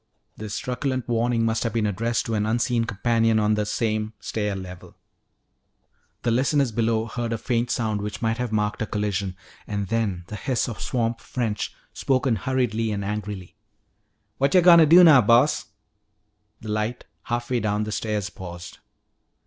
This truculent warning must have been addressed to an unseen companion on the same stair level. The listeners below heard a faint sound which might have marked a collision and then the hiss of swamp French spoken hurriedly and angrily. "What're you gonna do now, Boss?" The light half way down the stairs paused.